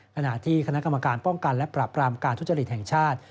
ขณะที่คณะกรรมการป้องกันและปรับรามการทุจริตแห่งชาติ